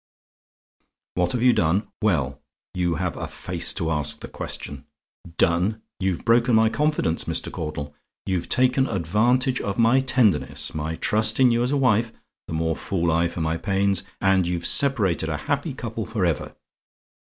"WHAT HAVE YOU DONE? "Well, you have a face to ask the question. Done? You've broken my confidence, Mr. Caudle: you've taken advantage of my tenderness, my trust in you as a wife the more fool I for my pains! and you've separated a happy couple for ever.